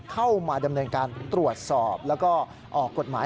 เข้ามาดำเนินการตรวจสอบแล้วก็ออกกฎหมาย